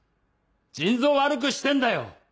腎臓悪くしてんだよ！